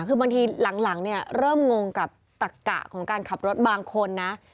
คือบางทีหลังเนี่ยเริ่มงงกับตักกะของการขับรถบางคนนะ